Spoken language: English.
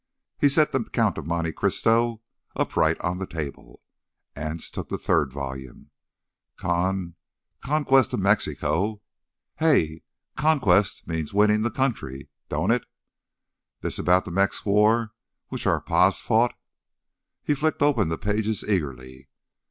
He set The Count of Monte Cristo upright on the table. Anse took the third volume. "... Con—Conquest of Mexico. Hey, conquest means winnin' th' country, don't it? This about the Mex War which our pa's fought?" He flicked open the pages eagerly.